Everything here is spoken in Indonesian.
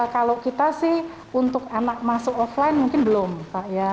kalau kita sih untuk anak masuk offline mungkin belum pak ya